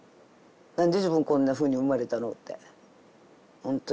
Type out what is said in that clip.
何で自分こんなふうに生まれたのってほんとに。